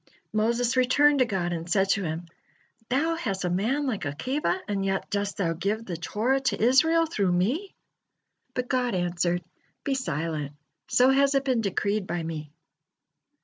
Moses returned to God and said to Him: "Thou has a man like Akiba, and yet dost Thou give the Torah to Israel through me!" But God answered: "Be silent, so has it been decreed by Me."